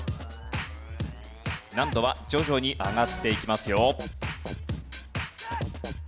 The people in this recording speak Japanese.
難度は徐々に上がっていきますよ。